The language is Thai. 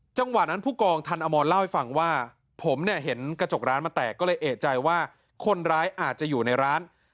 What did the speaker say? จังหวะนั้นผู้กองทันอมรเล่าให้ฟังว่าผมเนี่ยเห็นกระจกร้านมันแตกก็เลยเอกใจว่าคนร้ายอาจจะอยู่ในร้าน